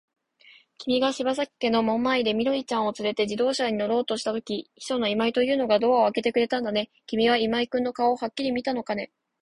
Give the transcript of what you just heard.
きみが篠崎家の門前で、緑ちゃんをつれて自動車に乗ろうとしたとき、秘書の今井というのがドアをあけてくれたんだね。きみは今井君の顔をはっきり見たのかね。